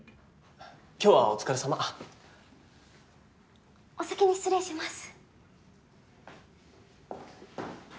今日はお疲れさまお先に失礼します